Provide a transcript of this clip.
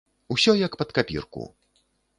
Усё як пад капірку!